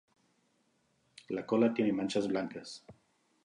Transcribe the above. La cola tiene manchas blancas.